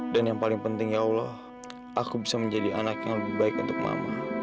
dan yang paling penting ya allah aku bisa menjadi anak yang lebih baik untuk mama